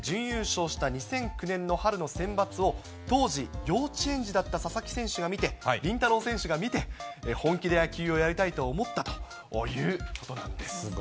佐々木監督が菊池雄星選手を擁して甲子園で準優勝した２００９年の春のセンバツを、当時幼稚園児だった佐々木選手が見て、麟太郎選手が見て、本気で野球をやりたいと思ったということなんです。